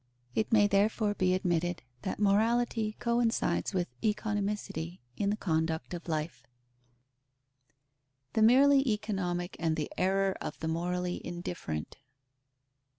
It may, therefore, be admitted, that morality coincides with economicity in the conduct of life. _The merely economic and the error of the morally indifferent.